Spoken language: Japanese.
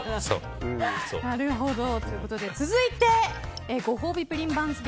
なるほど、ということで続いてご褒美プリン番付